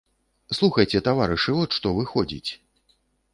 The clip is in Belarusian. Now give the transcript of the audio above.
Слухайце, таварышы, от што выходзіць.